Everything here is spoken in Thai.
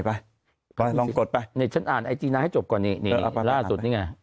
ไปก็ลองกดไปนี่ฉันอ่านไอจีนางให้จบก่อนนี่นี่ล่าสุดนี่ไง